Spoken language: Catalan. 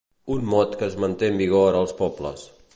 Un mot que es manté en vigor als pobles.